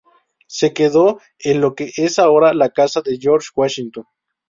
Se quedó en lo que es ahora la "Casa de George Washington".